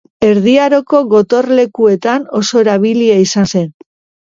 Erdi Aroko gotorlekuetan oso erabilia izan zen.